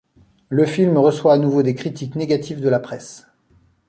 Le film reçoit à nouveau des critiques négatives de la presse.